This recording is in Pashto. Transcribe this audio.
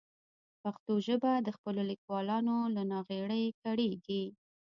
پښتو ژبه د خپلو لیکوالانو له ناغېړۍ کړېږي.